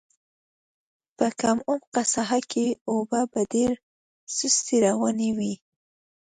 په کم عمقه ساحه کې اوبه په ډېره سستۍ روانې وې.